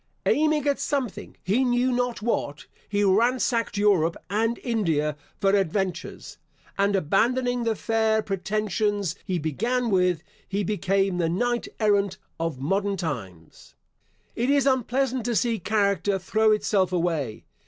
Aiming at something, he knew not what, he ransacked Europe and India for adventures, and abandoning the fair pretensions he began with, he became the knight errant of modern times. It is unpleasant to see character throw itself away.